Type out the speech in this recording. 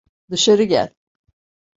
Dışarı gel!